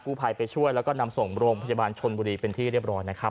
ภัยไปช่วยแล้วก็นำส่งโรงพยาบาลชนบุรีเป็นที่เรียบร้อยนะครับ